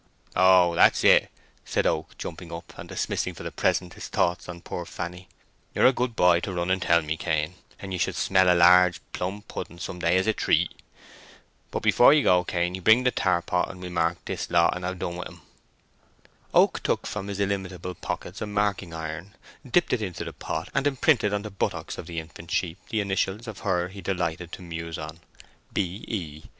"Oh, that's it," said Oak, jumping up, and dimissing for the present his thoughts on poor Fanny. "You are a good boy to run and tell me, Cain, and you shall smell a large plum pudding some day as a treat. But, before we go, Cainy, bring the tarpot, and we'll mark this lot and have done with 'em." Oak took from his illimitable pockets a marking iron, dipped it into the pot, and imprinted on the buttocks of the infant sheep the initials of her he delighted to muse on—"B. E.